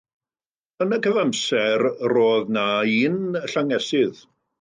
Yn y cyfamser, roedd yna un llyngesydd.